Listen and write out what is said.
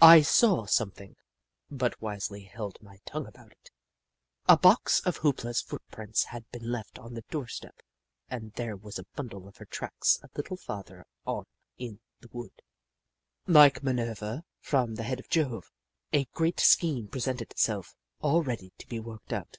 I saw something, but wisely held my tongue about it. A box of Hoop La's footprints had been left on the doorstep and there was a bundle of her tracks a little farther on in the wood. Like Minerva from the head of Jove, a great scheme presented itself, all ready to be worked out.